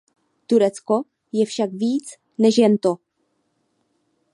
Turecko je však víc než jen to.